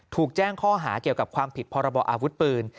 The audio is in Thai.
ถูกแจ้งข้อหาเกี่ยวกับความผิดพรบอาวุธปืน